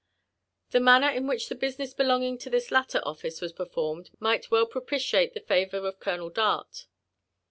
The manner in which the business belonging to this latter oflBce was performed might well propitiate the favour of Colonel Dart.